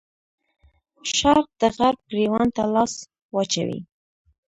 شرق د غرب ګرېوان ته لاس واچوي.